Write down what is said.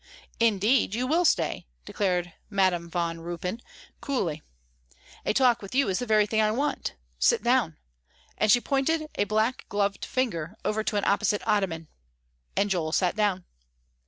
"Indeed, you will stay," declared Madam Van Ruypen, coolly; "a talk with you is the very thing I want! Sit down," and she pointed a black gloved finger over to an opposite ottoman. And Joel sat down.